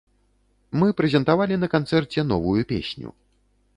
Мы прэзентавалі на канцэрце новую песню.